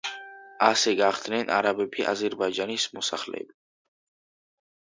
ასე გახდნენ არაბები აზერბაიჯანის მოსახლეები.